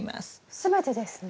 全てですね？